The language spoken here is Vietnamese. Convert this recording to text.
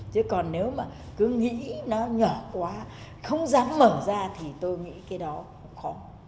chứ còn nếu mà cứ nghĩ nó nhỏ quá không dám mở ra thì tôi nghĩ cái đó cũng khó